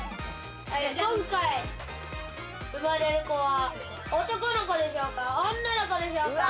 今回生まれる子は男の子でしょうか？